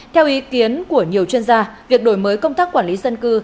theo ý kiến của nhiều chuyên gia việc đổi mới công tác quản lý dân cư